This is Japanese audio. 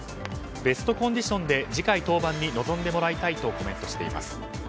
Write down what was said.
ベストコンディションで次回登板に臨んでもらいたいとコメントしています。